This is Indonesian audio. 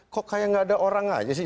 kok kayak tidak ada orang saja sih